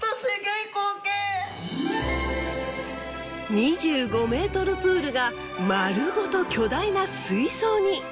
２５ｍプールが丸ごと巨大な水槽に。